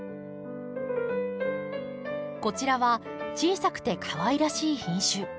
こちらは小さくてかわいらしい品種。